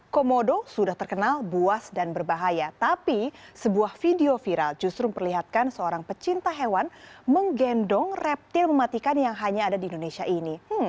komodo sudah terkenal buas dan berbahaya tapi sebuah video viral justru memperlihatkan seorang pecinta hewan menggendong reptil mematikan yang hanya ada di indonesia ini